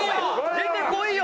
出てこいよ！